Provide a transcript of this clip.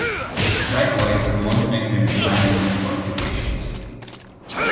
Likewise, the Montenegrins abandoned their fortifications.